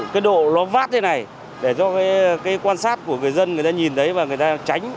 cái độ nó phát thế này để cho cái quan sát của người dân người ta nhìn thấy và người ta tránh